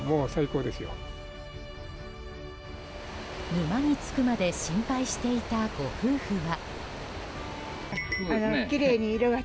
沼に着くまで心配していたご夫婦は。